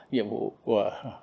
nhiệm vụ của